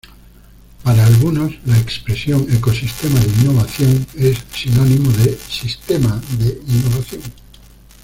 Para algunos, la expresión "ecosistema de innovación" es sinónimo de "sistema de innovación'.